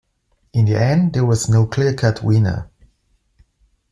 In the end, there was no clearcut winner.